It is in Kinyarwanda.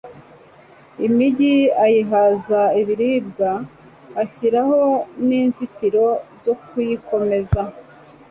imigi ayihaza ibiribwa, ashyiraho n'inzitiro zo kuyikomeza